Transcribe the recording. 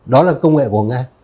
đó là công nghệ của nga